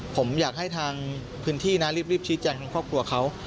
ผมอยากให้ทางพื้นที่นะรีบชี้แจงทางครอบครัวเขา